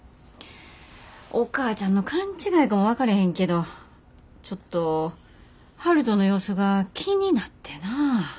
お母ちゃんの勘違いかも分かれへんけどちょっと悠人の様子が気になってな。